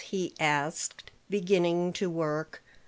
he asked, beginning to work.